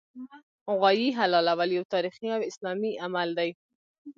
غوايي حلالول یو تاریخي او اسلامي عمل دی